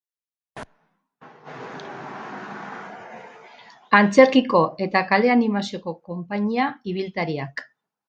Antzerkiko eta kale-animazioko konpainia ibiltariak.